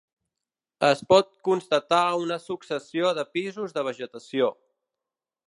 Es pot constatar una successió de pisos de vegetació.